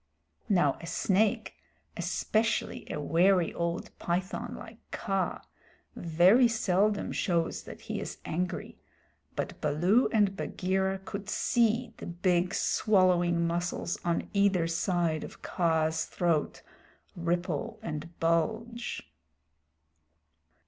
Now a snake, especially a wary old python like Kaa, very seldom shows that he is angry, but Baloo and Bagheera could see the big swallowing muscles on either side of Kaa's throat ripple and bulge.